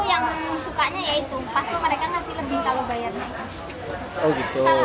aku yang sukanya yaitu pas mereka ngasih lebih kalau bayarnya